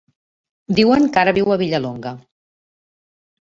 Diuen que ara viu a Vilallonga.